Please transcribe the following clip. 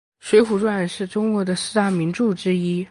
水浒传是中国的四大名著之一。